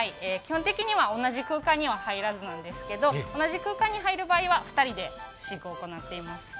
基本的には同じ空間には入らないんですけど同じ空間に入る場合は２人で飼育を行っています。